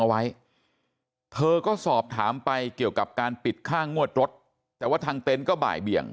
เอาไว้เธอก็สอบถามไปเกี่ยวกับการปิดค่างวดรถแต่ว่าทางเต็นต์ก็บ่ายเบี่ยง